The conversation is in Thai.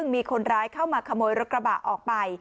มีคนร้ายเข้ามาขโมยรถกระบะออกไป